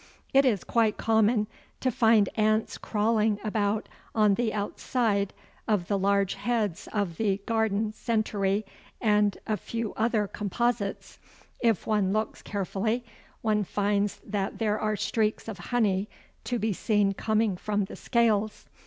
It is quite common to find ants crawling about on the outside of the large heads of the Garden Centaury and a few other Composites. If one looks carefully, one finds that there are streaks of honey to be seen coming from the scales.